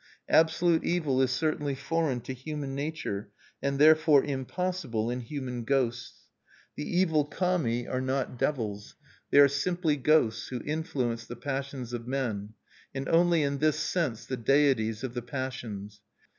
Absolute evil is certainly foreign to human nature, and therefore impossible in human ghosts. The evil Kami are not devils. They are simply ghosts, who influence the passions of men; and only in this sense the deities of the passions.